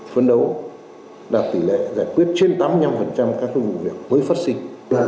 phấn đấu đạt tỷ lệ giải quyết trên tám mươi năm các vụ việc mới phát sinh